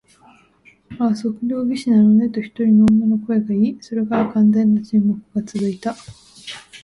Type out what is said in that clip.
「ああ、測量技師なのね」と、一人の女の声がいい、それから完全な沈黙がつづいた。「あなたがたは私をご存じなんですね？」と、Ｋ はたずねた。